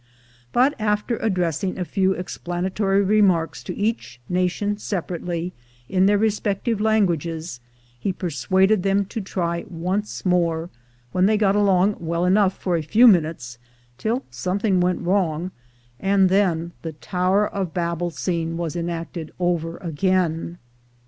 But after addressing a few explanatory remarks to each nation separately, in their respective languages, he persuaded them to try once more, when they got along well enough for a few minutes, till something went wrong, and then the Tower of Babel scene was enacted over again.